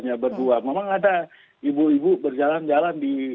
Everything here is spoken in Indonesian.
nah itu apa partisi itu untuk apa